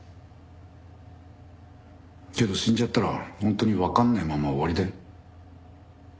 けど死んじゃったら本当にわかんないまま終わりだよ。